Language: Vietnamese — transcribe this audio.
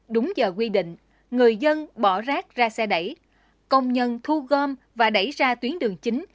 đúng giờ quy định người dân bỏ rác ra xe đẩy công nhân thu gom và đẩy ra tuyến đường chính